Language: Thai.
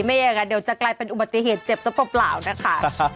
ไม่อยากจะกลายเป็นอุบัติเหตุเจ็บเฉพาะเปล่านะคะ